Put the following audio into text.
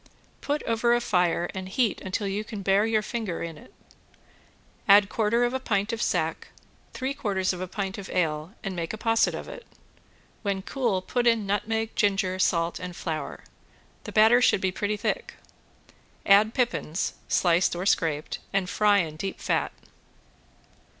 Put over a fire and heat until you can bear your finger in it. Add quarter of a pint of sack, three quarters of a pint of ale and make a posset of it. When cool put in nutmeg, ginger, salt and flour. The batter should be pretty thick. Add pippins, sliced or scraped and fry in deep fat.